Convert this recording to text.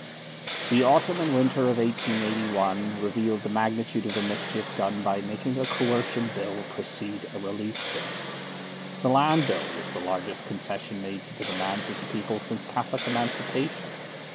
The autumn and winter of 1881 revealed the magnitude of the mischief done by making a Coercion Bill precede a Relief Bill. The Land Bill was the largest concession made to the demands of the people since Catholic Emancipation.